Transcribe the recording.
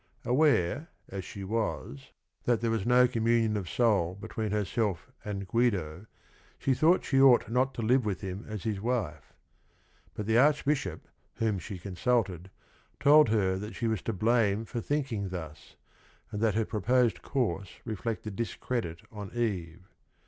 Aware, as she was, that there was no communion 112 THE RING AND THE BOOK of soul between herself and Guido she thought she ought not to live with him as his wife. But the Archbishop, whom she consulted, told her that she was to blame for thinking thus, and that her proposed course reflected discredit on Eve.